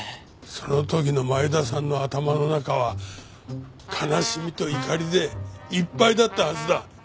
その時の前田さんの頭の中は悲しみと怒りでいっぱいだったはずだ。